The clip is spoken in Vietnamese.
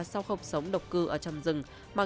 sao không sống độc cư ở trong rừng mà